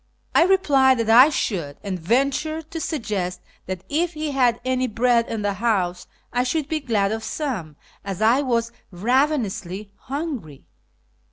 I replied that I should, and ventured to suggest that if he had any bread in the house I should be glad of some, as I was ravenously hungry.